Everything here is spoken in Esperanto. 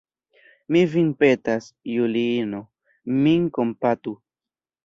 Mi vin petas, Juliino, min kompatu.